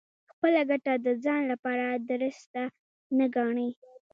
خپله ګټه د ځان لپاره دُرسته نه ګڼي.